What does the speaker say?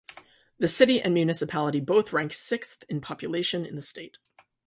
The city and municipality both rank sixth in population in the state.